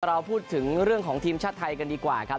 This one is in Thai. เราพูดถึงเรื่องของทีมชาติไทยกันดีกว่าครับ